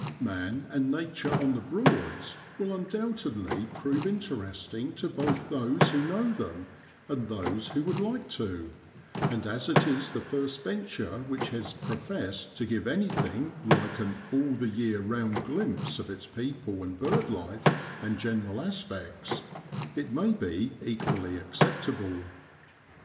'Man and Nature on the Broads' will undoubtedly prove interesting to both those who know them and those who would like to, and as it is the first venture which has professed to give anything like an all the year round glimpse of its people and bird life and general aspects, it may be equally acceptable.